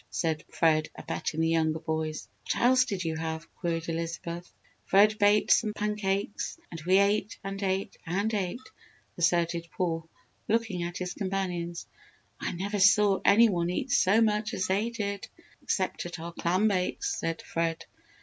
said Fred, abetting the younger boys. "What else did you have?" queried Elizabeth. "Fred baked some pancakes and we ate, and ate, and ate!" asserted Paul, looking at his companions. "I never saw any one eat so much as they did, except at our clam bakes," said Fred.